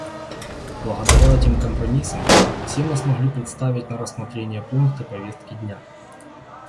Благодаря этим компромиссам все мы смогли представить на рассмотрение пункты повестки дня.